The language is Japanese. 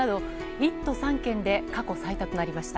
１都３県で過去最多となりました。